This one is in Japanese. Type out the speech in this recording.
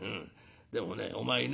でもねお前ね